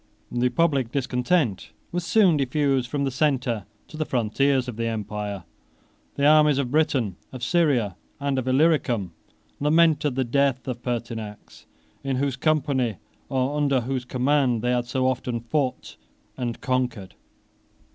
The public discontent was soon diffused from the centre to the frontiers of the empire. The armies of Britain, of Syria, and of Illyricum, lamented the death of Pertinax, in whose company, or under whose command, they had so often fought and conquered.